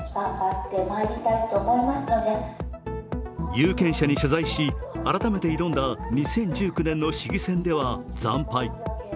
有権者に謝罪し、改めて挑んだ２０１９年の市議選では惨敗。